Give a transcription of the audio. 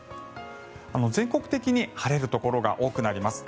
全国的に晴れるところが多くなります。